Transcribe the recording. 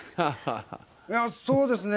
そうですね。